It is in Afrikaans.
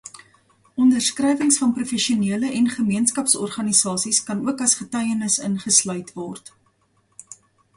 Onderskrywings van professionele en gemeenskapsorganisasies kan ook as getuienis ingesluit word.